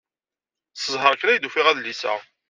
S zzheṛ kan ay d-ufiɣ adlis-a.